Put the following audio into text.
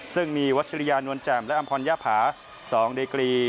ซึ่งมีวัชริยานวลแจ่มและอำพรยาภา๒เดกรี